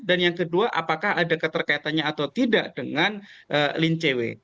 dan yang kedua apakah ada keterkaitannya atau tidak dengan lin cw